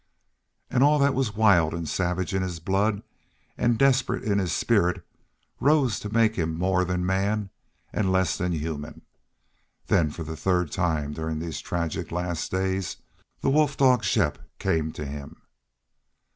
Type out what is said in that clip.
And all that was wild and savage in his blood and desperate in his spirit rose to make him more than man and less than human. Then for the third time during these tragic last days the wolf dog Shepp came to him.